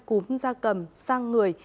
cúm da cầm sang người